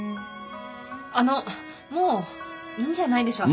あのうもういいんじゃないでしょうか。